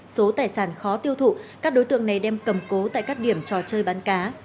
số tài sản khó tiêu thụ các đối tượng này đem cầm cố tại các điểm trò chơi bán cá